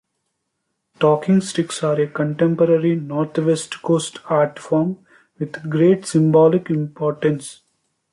Talking sticks are a contemporary Northwest Coast art form with great symbolic importance.